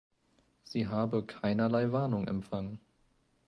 Sie habe „keinerlei Warnung“ empfangen.